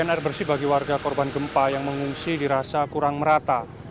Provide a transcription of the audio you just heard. air bersih bagi warga korban gempa yang mengungsi dirasa kurang merata